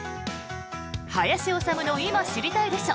「林修の今、知りたいでしょ！」